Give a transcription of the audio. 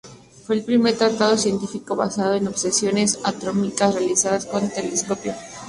Fue el primer tratado científico basado en observaciones astronómicas realizadas con un telescopio.